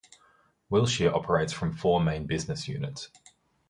Wilshire operates from four main business units.